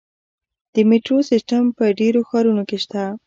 د میټرو سیستم په ډیرو ښارونو کې شته.